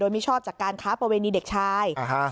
มิชอบจากการค้าประเวณีเด็กชาย